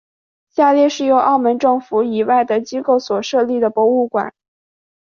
下列是由澳门政府以外的机构所设立的博物馆。